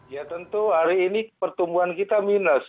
ya tentu hari ini pertumbuhan kita minus